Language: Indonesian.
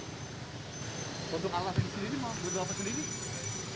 untuk alat fasilitas ini udah apa fasilitas ini